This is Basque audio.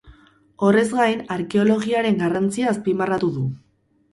Horrez gain, arkeologiaren garrantzia azpimarratu du.